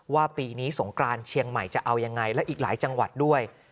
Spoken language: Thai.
ปีนี้สงกรานเชียงใหม่จะเอายังไงและอีกหลายจังหวัดด้วย